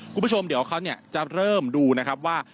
คุณผู้ชมเดี๋ยวเขาจะเริ่มดูนะครับว่า